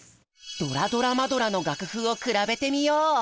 「ドラドラマドラ！」の楽譜を比べてみよう！